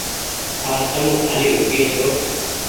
آج تم ڪآلي هوگيئي ڇو ۔